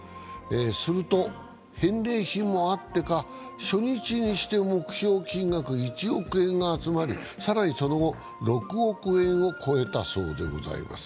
すると、返礼品もあってか初日して目標金額１億円が集まり更にその後、６億円を超えたそうです。